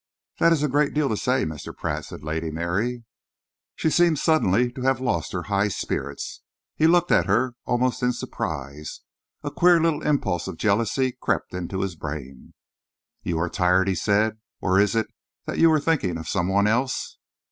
"That is a great deal to say, Mr. Pratt," said Lady Mary. She seemed suddenly to have lost her high spirits. He looked at her almost in surprise. A queer little impulse of jealousy crept into his brain. "You are tired," he said, "or is it that you are thinking of some one else?"